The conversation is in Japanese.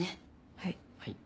はい。